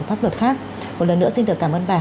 pháp luật khác một lần nữa xin được cảm ơn bà